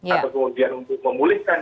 atau kemudian untuk memulihkan